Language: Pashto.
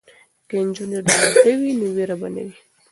که نجونې ډاډه وي نو ویره به نه وي.